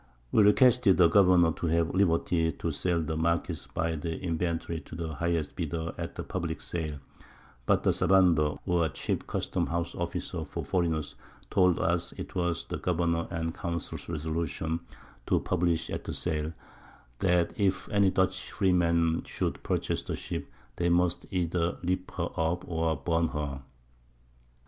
We requested the Governour to have Liberty to sell the Marquiss by Inventory to the highest Bidder at a publick Sale; but the Sabandar, or chief Custom house Officer for Foreigners, told us it was the Governour and Council's Resolution to publish at the Sale, that if any Dutch Freeman should purchase the Ship, they must either rip her up or burn her.